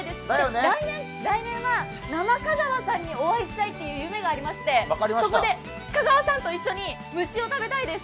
来年は生香川さんにお会いしたいという夢がありまして、そこで香川さんと一緒に虫を食べたいです。